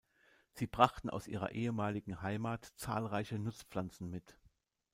Sie brachten aus ihrer ehemaligen Heimat zahlreiche Nutzpflanzen mit.